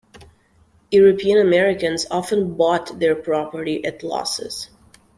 European Americans often bought their property at losses.